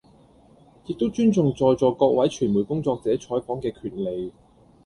亦都尊重在座各位傳媒工作者採訪嘅權利